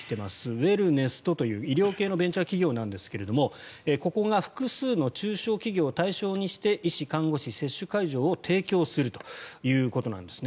ウェルネストという医療系のベンチャー企業ですがここが複数の中小企業を対象にして医師、看護師、接種会場を提供するということなんですね。